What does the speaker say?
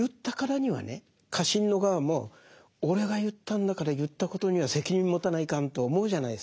家臣の側も俺が言ったんだから言ったことには責任持たないかんと思うじゃないですか。